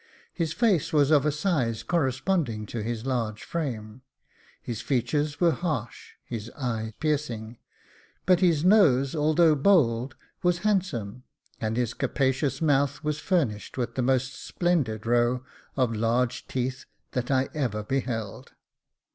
His face was of a size corresponding to his large frame ; his features were harsh, his eye piercing, but his nose, although bold, was handsome, and his capacious mouth was furnished with the most splendid row of large teeth that I ever beheld.